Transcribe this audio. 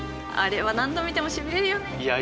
あれは何度見てもしびれるよね。